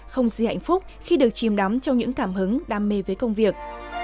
không gì hạnh phúc khi được chìm đắm trong những cảm hứng đam mê với công việc